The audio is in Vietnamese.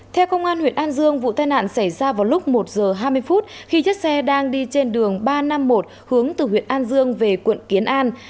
theo công an huyện an dương vụ tai nạn xảy ra vào lúc một giờ hai mươi phút khi chiếc xe đang đi trên đường ba trăm năm mươi một hướng từ huyện an dương về quận kiến an